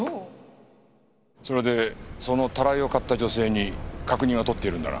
それでそのたらいを買った女性に確認は取っているんだな？